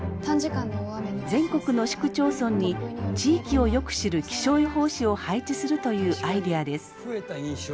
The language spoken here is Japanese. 全国の市区町村に地域をよく知る気象予報士を配置するというアイデアです。